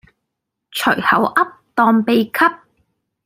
隨口噏當秘笈